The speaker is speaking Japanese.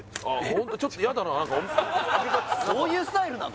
ホントちょっと嫌だな何かそういうスタイルなの？